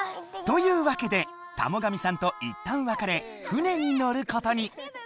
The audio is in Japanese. というわけで田母神さんといったんわかれ船に乗ることに！